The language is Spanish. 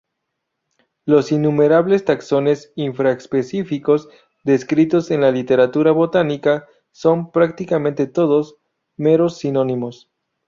Los innumerables taxones infra-específicos descritos en la literatura botánica son, prácticamente todos, meros sinónimos.